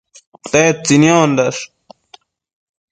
Tedtsi niondash?